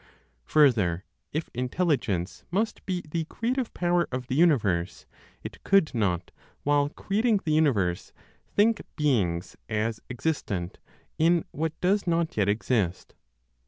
Further, if Intelligence must be the creative power of the universe, it could not, while creating the universe, think beings as existent in what does not yet exist.